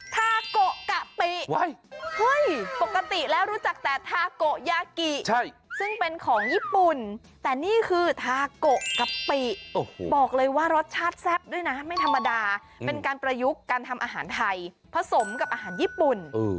ทาโกะกะปิ้เฮ้ยปกติแล้วรู้จักแต่ทาโกยากิซึ่งเป็นของญี่ปุ่นแต่นี่คือทาโกะกะปิบอกเลยว่ารสชาติแซ่บด้วยนะไม่ธรรมดาเป็นการประยุกต์การทำอาหารไทยผสมกับอาหารญี่ปุ่น